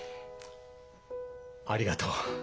ありがとう。